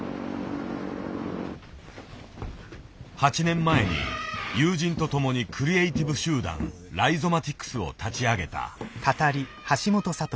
８年前に友人と共にクリエイティブ集団ライゾマティクスを立ち上げた。